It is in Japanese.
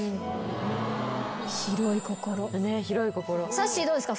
さっしーどうですか？